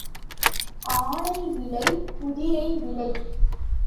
ஆனை விலை, குதிரை விலை.